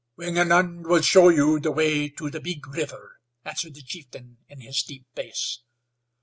"Wingenund will show you the way to the big river," answered the chieftain, in his deep bass.